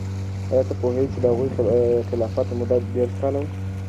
آیا ته پوهیږې چې د هغوی د خلافت موده دیرش کاله وه؟